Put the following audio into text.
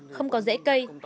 không có rễ cây